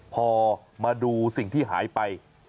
พอมาดูสิ่งที่หายไป